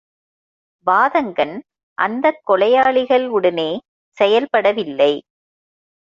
வாதங்கன் அந்தக் கொலையாளிகள் உடனே செயல்பட வில்லை.